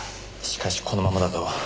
しかしこのままだと。